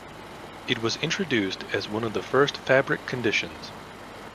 It was introduced as one of the first fabric conditions.